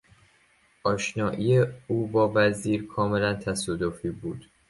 آشنایی او با وزیر کاملا تصادفی بود.